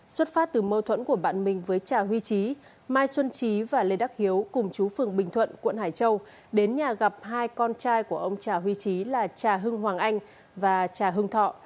xuất phát từ mâu thuẫn của bạn mình với cha huy trí mai xuân trí và lê đắc hiếu cùng chú phường bình thuận quận hải châu đến nhà gặp hai con trai của ông trà huy trí là trà hưng hoàng anh và trà hưng thọ